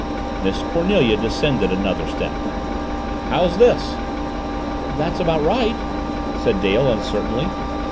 Miss Cornelia descended another step. "How's this?" "That's about right," said Dale uncertainly.